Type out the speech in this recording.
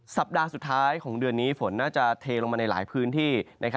สัปดาห์สุดท้ายของเดือนนี้ฝนน่าจะเทลงมาในหลายพื้นที่